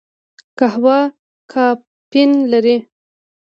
قهوه کافین لري